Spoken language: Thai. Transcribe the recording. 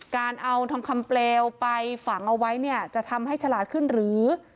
การเอาทองคำเปลวไปฝังเอาไว้เนี่ยจะทำให้ฉลาดขึ้นหรือ